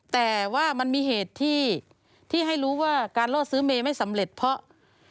แต่ว่ามันมีเหตุที่ให้รู้ว่าการล่อซื้อเมย์ไม่สำเร็จเพราะ